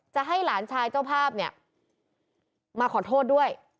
จะให้หลานชายเจ้าภาพเนี่ยมาขอโทษด้วย